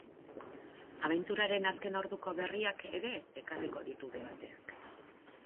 Abenturaren azken orduko berriak ere ekarriko ditu debateak.